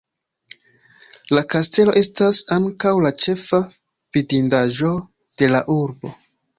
La kastelo estas ankaŭ la ĉefa vidindaĵo de la urbo.